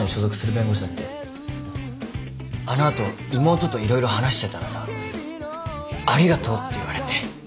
うんあの後妹と色々話してたらさありがとうって言われて。